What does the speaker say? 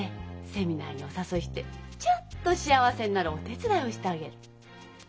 セミナーにお誘いしてちょっと幸せになるお手伝いをしてあげる。